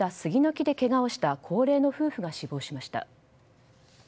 木でけがをした高齢の夫婦が死亡しました。